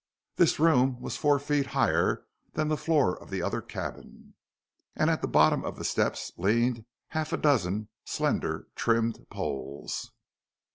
This room was four feet higher than the floor of the other cabin. And at the bottom of the steps leaned a half dozen slender trimmed poles.